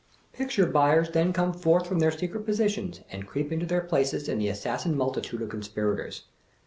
Picture buyers then come forth from their secret positions, and creep into their places in the assassin multitude of conspirators.